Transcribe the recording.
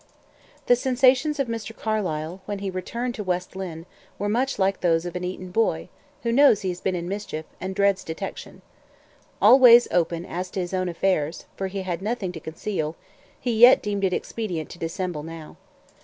The sensations of Mr. Carlyle, when he returned to West Lynne, were much like those of an Eton boy, who knows he has been in mischief, and dreads detection. Always open as to his own affairs for he had nothing to conceal he yet deemed it expedient to dissemble now.